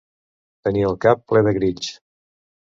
Tenir el cap ple de grills.